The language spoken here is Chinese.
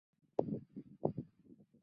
浙江石门人。